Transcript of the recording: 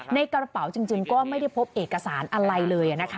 ในกระเป๋าจริงก็ไม่ได้พบเอกสารอะไรเลยนะคะ